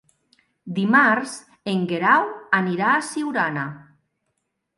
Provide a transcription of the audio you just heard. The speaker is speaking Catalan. Dimarts en Guerau anirà a Siurana.